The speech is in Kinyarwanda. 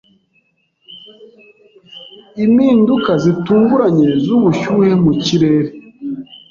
Impinduka zitunguranye z’ubushyuhe mu kirere